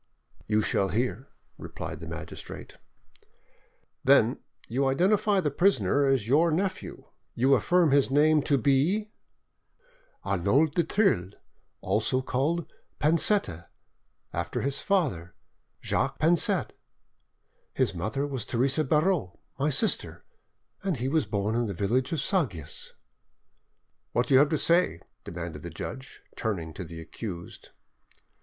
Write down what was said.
"You shall hear," replied the magistrate. "Then you identify the prisoner as your nephew? You affirm his name to be— ?" "Arnauld du Thill, also called 'Pansette,' after his father, Jacques Pansa. His mother was Therese Barreau, my sister, and he was born in the village of Sagias." "What have you to say?" demanded the judge, turning to the accused.